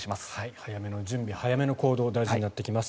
早目の準備、早目の行動が大事になってきます。